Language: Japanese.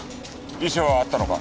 遺書はあったのか？